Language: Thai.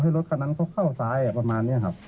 ให้รถนั้นเข้าสายประมาณนี้ครับ